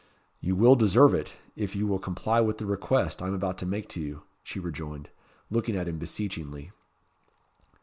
"You will deserve it, if you will comply with the request I am about to make to you," she rejoined, looking at him beseechingly.